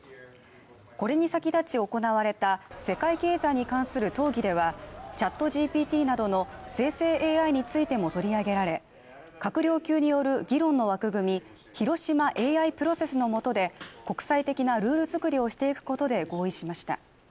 これに先立ち行われた世界経済に関する討議では、ＣｈａｔＧＰＴなどの生成ＡＩについても取り上げられ、閣僚級による議論の枠組み、広島ＡＩプロセスのもとで国際的なルール作りをしていくことで合意しました。